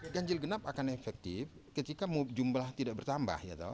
ganjil genap akan efektif ketika jumlah tidak bertambah